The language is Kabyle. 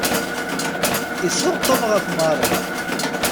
Isuɣ Tom ɣef Mary.